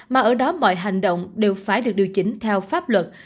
mà ở đó mọi hành động đều phải được điều chỉnh theo pháp luật